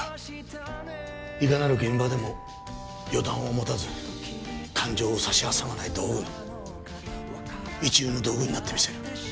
いかなる現場でも予断を持たず感情を差し挟まない道具に一流の道具になってみせる。